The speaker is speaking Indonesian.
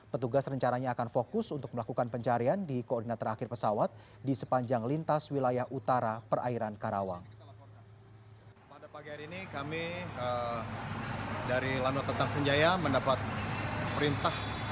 petugas rencananya akan fokus untuk melakukan pencarian di koordinat terakhir pesawat di sepanjang lintas wilayah utara perairan karawang